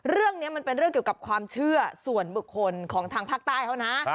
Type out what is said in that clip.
เรื่องนี้มันเป็นเรื่องเกี่ยวกับความเชื่อส่วนบุคคลของทางภาคใต้เขานะ